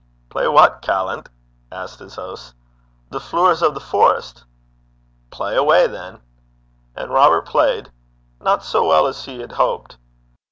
'Play what, callant?' asked his host. 'The Flooers o' the Forest.' 'Play awa' than.' And Robert played not so well as he had hoped.